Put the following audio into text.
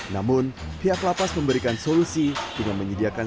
namun pihak lapas memberikan solusi dengan menyediakan